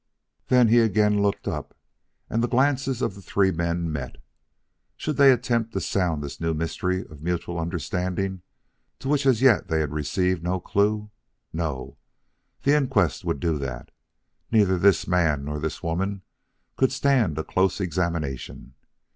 Then he again looked up and the glances of the three men met. Should they attempt to sound this new mystery of mutual understanding to which as yet they had received no clue? No, the inquest would do that. Neither this man nor this woman could stand a close examination.